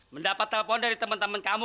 mendapat telepon dari teman teman kamu